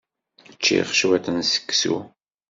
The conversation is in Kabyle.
Ččiɣ cwiṭ n seksu.